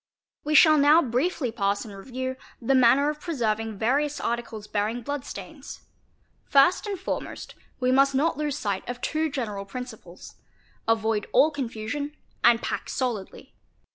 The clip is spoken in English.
| We shall now briefly pass in review the manner of preserving various — articles bearing blood stains. First and foremost we must not lose sight — of two general principles: avoid all confusion, and pack solidly.